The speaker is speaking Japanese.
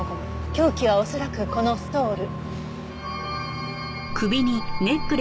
凶器は恐らくこのストール。